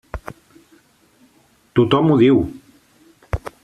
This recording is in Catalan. Tothom ho diu.